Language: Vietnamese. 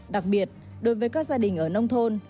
đặc biệt đối với các gia đình ở nông thôn